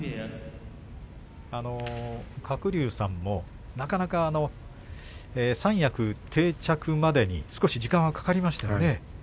鶴竜さんも、なかなか三役定着までに少し時間はかかりましたよね。